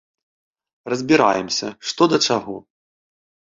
Разбіраемся, што да чаго.